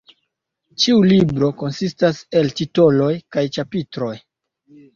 Ĉiu libro konsistas el titoloj kaj ĉapitroj.